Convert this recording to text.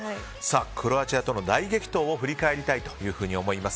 クロアチアとの大激闘を振り返りたいと思います。